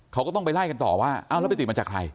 เขาก็ต้องไปไล่กันต่อว่าเอาแล้วไปติดมาจากใคร